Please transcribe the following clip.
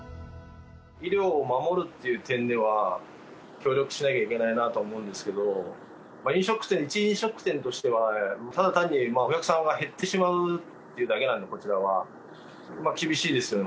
医療を守るっていう点では、協力しなきゃいけないなと思うんですけれども、飲食店、一飲食店としては、ただ単にお客さんが減ってしまうっていうだけなんで、こちらは。